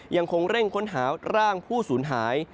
ยังคงเร่งค้นหาร่างผู้สูญหาย